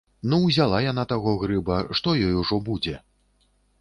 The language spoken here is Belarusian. Ну, узяла яна таго грыба, што ёй ужо будзе?